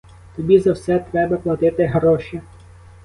Тобі за все треба платити гроші.